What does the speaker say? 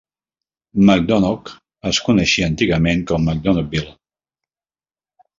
McDonogh es coneixia antigament com McDonoghville.